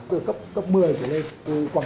từ cấp một mươi trở lên